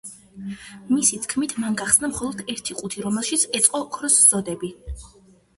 მისი თქმით, მან გახსნა მხოლოდ ერთი ყუთი, რომელშიც ეწყო ოქროს ზოდები.